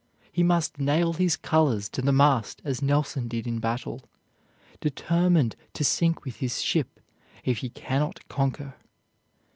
He must nail his colors to the mast as Nelson did in battle, determined to sink with his ship if he can not conquer.